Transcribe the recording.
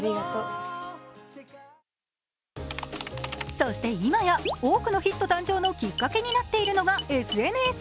そして今や多くのヒット誕生のきっかけになっているのがＳＮＳ。